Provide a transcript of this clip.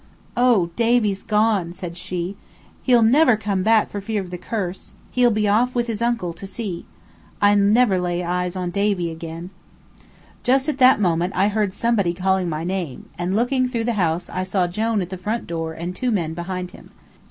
"Oh, Davy's gone," said she. "He'll never come back for fear of the curse. He'll be off with his uncle to sea. I'll never lay eyes on Davy again." Just at that moment I heard somebody calling my name, and looking through the house I saw Jone at the front door and two men behind him.